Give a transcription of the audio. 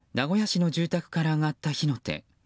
昨日名古屋市の住宅から上がった火の手。